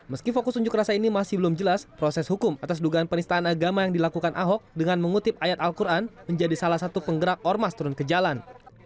meski fokus unjuk rasa ini masih belum jelas proses hukum atas dugaan penistaan agama yang dilakukan ahok dengan mengutip ayat al quran menjadi salah satu penggerak ormas turun ke jalan